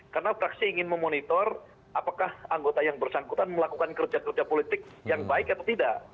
karena fraksi ingin memonitor apakah anggota yang bersangkutan melakukan kerja kerja politik yang baik atau tidak